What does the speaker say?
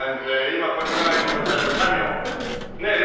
今こちらが今こちらで三味を練習なさって。